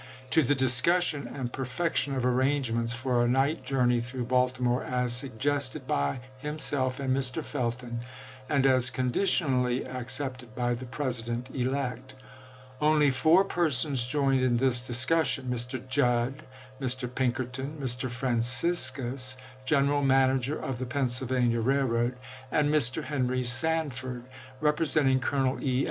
to the discussion and perfection of arrangements for a night journey through Baltimore, as sug gested by himself and Mr. Felton, and as con ditionally accepted by the President elect. Only four persons joined in this discussion — Mr. Judd, Mr. Pinkerton, Mr. Franciscus, General Manager of the Pennsylvania Railroad, and Mr. Henry San ford, representing Colonel E.